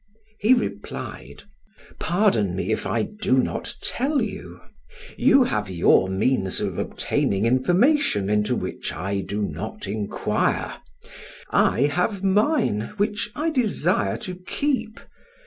He replied: "Pardon me if I do not tell you! You have your means of obtaining information into which I do not inquire; I have mine which I desire to keep.